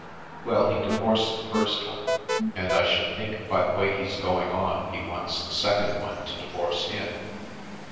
Well, he divorced the first one, and I should think by the way he's going on he wants the second one to divorce him.